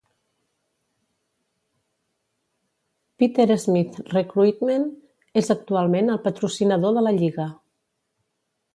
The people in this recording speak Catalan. Peter Smith Recruitment és actualment el patrocinador de la lliga.